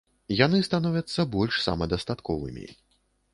Яны становяцца больш самадастатковымі.